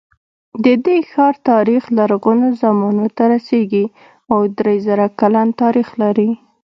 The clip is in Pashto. د دې ښار تاریخ لرغونو زمانو ته رسېږي او درې زره کلن تاریخ لري.